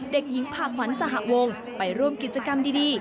เด็กหญิงพาขวัญสหวงไปร่วมกิจกรรมดี